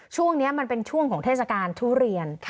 ช่วงนี้มันเป็นช่วงของเทศกาลทุเรียน